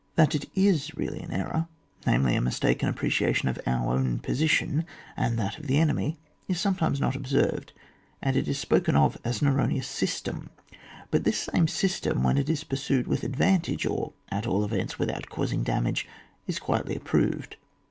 That it is really an error, namely, a mis taken appreciation of our own position, and that of the enemy is sometimes not observed, and it is spoken of as an erro neous system. But this same system, when it is pursued with advantage, or, at all events, without causing damage, is quietly approved.